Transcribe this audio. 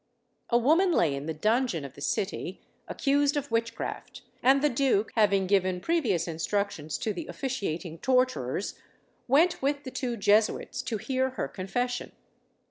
A woman lay in the dungeon of the city accused of witchcraft, and the duke, having given previous instructions to the officiating torturers, went with the two Jesuits to hear her confession.